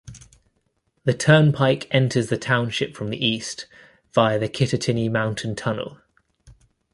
The turnpike enters the township from the east via the Kittatinny Mountain Tunnel.